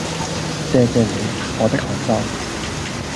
謝謝你，我的學生